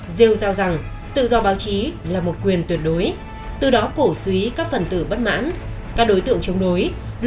rêu rao rằng tự do báo chí là một quyền tuyệt đối từ đó cổ suý các phần tử bất mãn các đối tượng chống đối